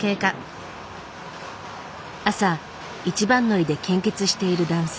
朝一番乗りで献血している男性。